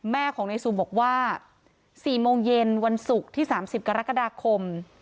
แม่ของนายซูบอกว่า๔โมงเย็นวันศุกร์ที่๓๐กรกฎาคม